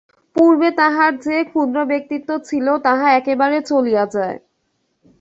পূর্বে তাহার যে ক্ষুদ্র ব্যক্তিত্ব ছিল, তাহা একেবারে চলিয়া যায়।